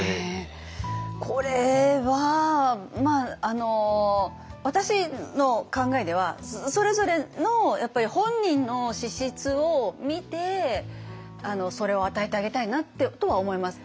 これは私の考えではそれぞれの本人の資質を見てそれを与えてあげたいなとは思います。